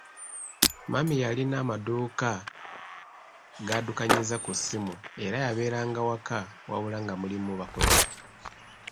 Mami yalina amaduuka g'addukanyiza ku ssimu era yabeeranga waka wabula nga mulimu bakozi.